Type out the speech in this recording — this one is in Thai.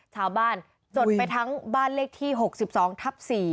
ชาวบ้านจดไปทั้งบ้านเลขที่๖๒ทับ๔